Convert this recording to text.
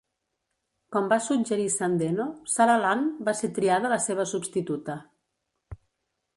Com va suggerir Sandeno, Sara Lund va ser triada la seva substituta.